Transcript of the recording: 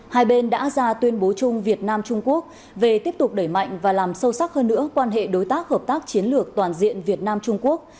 hai bên đã ra tuyên bố chung việt nam trung quốc về tiếp tục đẩy mạnh và làm sâu sắc hơn nữa quan hệ đối tác hợp tác chiến lược toàn diện việt nam trung quốc